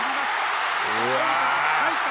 入った。